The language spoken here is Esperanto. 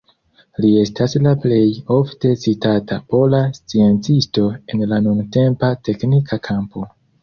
Li estas la plej ofte citata pola sciencisto en la nuntempa teknika kampo.